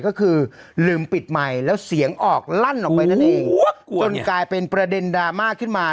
ก็คือลืมปิดใหม่แล้วเสียงออกลั่นออกไปนั่นเองจนกลายเป็นประเด็นดราม่าขึ้นมา